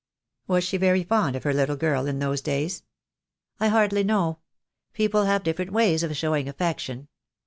"Was she very fond of her little girl in those days?" "I hardly know. People have different ways of show ing affection.